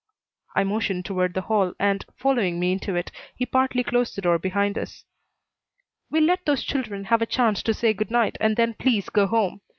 I motioned toward the hall and, following me into it, he partly closed the door behind us. "We'll let those children have a chance to say good night, and then please go home.